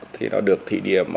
thì nó được thi điểm